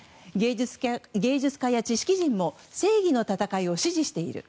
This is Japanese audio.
芸術家や知識人も正義の戦いを支持している。